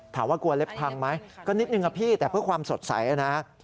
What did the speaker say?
ถามว่ากลัวเล็บพังไหมก็นิดหนึ่งอะพี่แต่เพื่อความสดใสนะครับ